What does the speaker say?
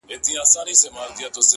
لكه اوبه چي دېوال ووهي ويده سمه زه”